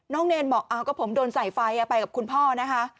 เนรบอกก็ผมโดนใส่ไฟไปกับคุณพ่อนะคะ